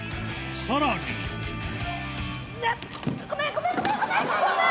ごめんごめんごめんごめん！